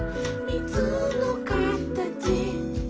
「みずのかたち」